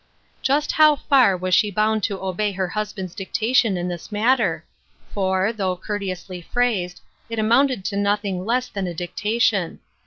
Just how far was she bound to obey her husband's dictation in this matter? For, though courteously phrased, it amounted to nothing less than dicta tion.